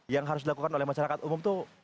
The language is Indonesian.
yang harus dilakukan oleh masyarakat umum itu